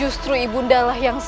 antara masalahmu dan anakmu sendiri